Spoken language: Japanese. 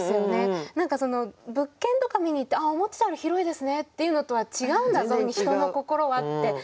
何か物件とか見に行って「思ってたより広いですね」って言うのとは違うんだぞ人の心はって思っちゃって。